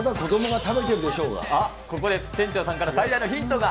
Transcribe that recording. あっ、ここで店長さんから最大のヒントが。